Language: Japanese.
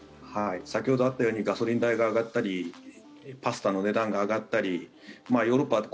先ほどあったようにガソリン代が上がったりパスタの値段が上がったりヨーロッパ